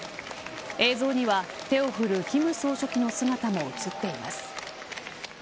映像には、手を振る金総書記の姿も映っています。